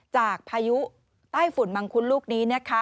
จากพายุใต้ฝุ่นมังคุดลูกนี้